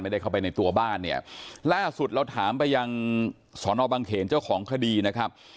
ได้เข้าไปในตัวบ้านเนี่ยล่าสุดเราถามไปยังสอนอบังเขนเจ้าของคดีนะครับ